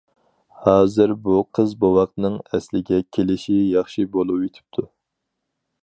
ھازىر بۇ قىز بوۋاقنىڭ ئەسلىگە كېلىشى ياخشى بولۇۋېتىپتۇ.